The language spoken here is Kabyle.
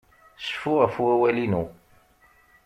Cfu ɣef wawal-inu!